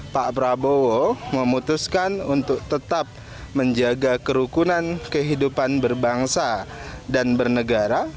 pak prabowo memutuskan untuk tetap menjaga kerukunan kehidupan berbangsa dan bernegara